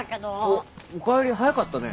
おっおかえり早かったね。